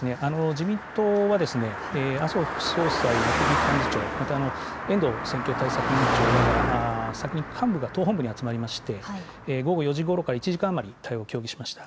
自民党は麻生副総裁、茂木幹事長、また、えんどう選挙対策委員長らが、先に幹部が党本部に集まりまして、午後４時ごろから１時間余り、対応を協議しました。